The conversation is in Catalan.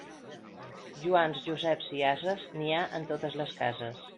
Joans, Joseps i ases n'hi ha en totes les cases.